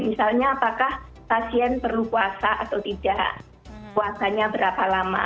misalnya apakah pasien perlu puasa atau tidak puasanya berapa lama